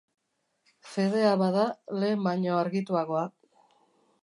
Fedea bada, lehen baino argituagoa.